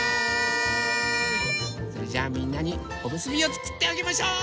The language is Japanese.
それじゃあみんなにおむすびをつくってあげましょう！